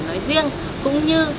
nói riêng cũng như